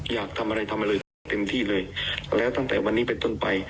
อยากทำอะไรทำอะไรเต็มที่เลยแล้วตั้งแต่วันนี้ไปต้นไป